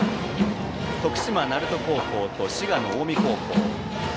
徳島の鳴門高校と滋賀の近江高校。